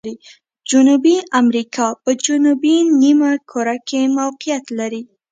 جنوبي امریکا په جنوبي نیمه کره کې موقعیت لري.